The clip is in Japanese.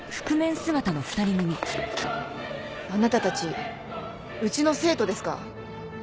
あなたたちうちの生徒ですか？